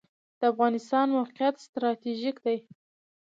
د افغانستان موقعیت ستراتیژیک دی